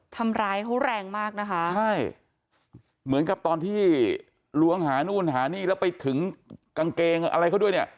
ทำร้ายเขาแรงมากนะคะใช่เหมือนกับตอนที่ล้วงหานู่นหานี่แล้วไปถึงกางเกงอะไรเขาด้วยเนี่ย